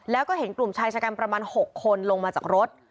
แล้วก็เห็นกลุ่มชายชะกันประมาณ๖คนลงมาจากรถ